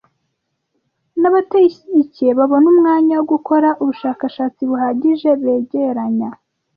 n’abatayishyigikiye babone umwanya wo gukora ubushakashatsi buhagije begeranya